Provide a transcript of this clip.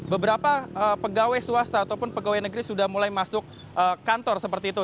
beberapa pegawai swasta ataupun pegawai negeri sudah mulai masuk kantor seperti itu